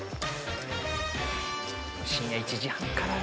深夜１時半からだ。